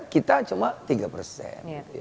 kita cuma tiga persen